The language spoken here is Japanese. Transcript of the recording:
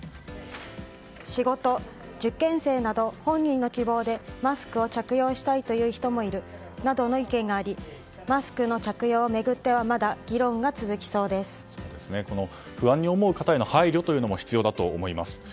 仕事、受験生など本人の希望でマスクを着用したいという人もいるなどの意見もありマスクの着用を巡っては不安に思う方への配慮も必要だと思います。